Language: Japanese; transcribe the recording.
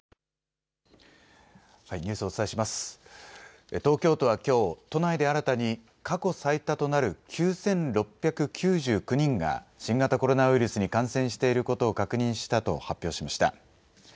東京都はきょう、都内で新たに過去最多となる９６９９人が新型コロナウイルスに感染していることを確認したと発表しました。